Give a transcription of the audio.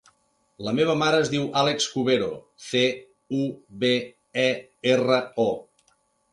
La meva mare es diu Àlex Cubero: ce, u, be, e, erra, o.